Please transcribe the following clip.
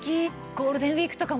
ゴールデンウィークとかもね